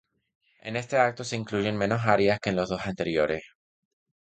En este acto se incluyen menos arias que en los dos anteriores.